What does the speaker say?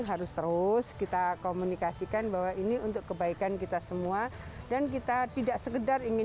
harus terus kita komunikasikan bahwa ini untuk kebaikan kita semua dan kita tidak sekedar ingin